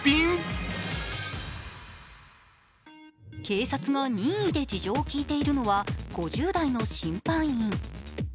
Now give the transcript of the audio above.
警察が任意で事情を聴いているのは５０代の審判員。